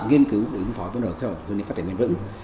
nghiên cứu và ứng phó với biến đổi khí hậu hướng đến phát triển mềm vững